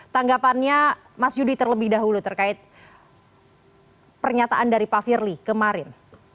tanggapannya mas yudi terlebih dahulu terkait pernyataan dari pak firly kemarin